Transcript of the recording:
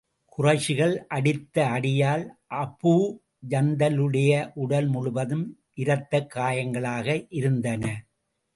குறைஷிகள் அடித்த அடியால், அபூ ஜந்தலுடைய உடல் முழுவதும் இரத்தக் காயங்களாக இருந்தன.